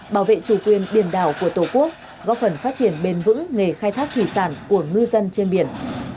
bảo vệ chủ quyền biển đảo của tổ quốc góp phần phát triển bền vững nghề khai thác thủy sản của ngư dân trên biển